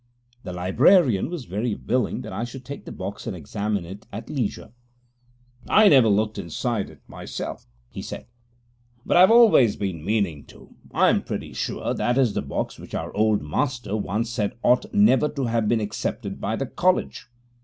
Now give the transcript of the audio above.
The librarian was very willing that I should take the box and examine it at leisure. 'I never looked inside it myself,' he said, 'but I've always been meaning to. I am pretty sure that is the box which our old Master once said ought never to have been accepted by the college.